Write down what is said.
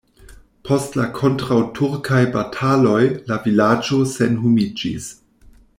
Post la kontraŭturkaj bataloj la vilaĝo senhomiĝis.